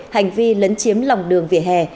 hành vi lấn chiếm lòng đường vỉa hè